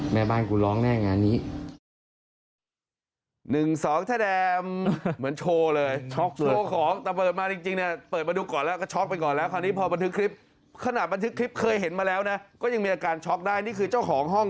แม่บ้านก็ไม่รู้ว่าเจ้าของมีตระลึง